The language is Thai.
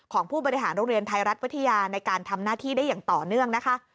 ของผู้บริหารโรงเรียนไทยรัฐวิทยาในการทำหน้าที่ได้อย่างต่อเนื่องนะคะ